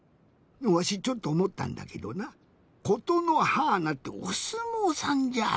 わしちょっとおもったんだけどな「ことのはーな」っておすもうさんじゃあない？